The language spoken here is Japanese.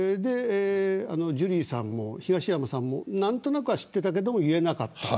ジュリーさんも東山さんも何となくは知っていたけど言えなかった。